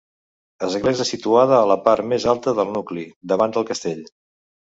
Església situada a la part més alta del nucli, davant del castell.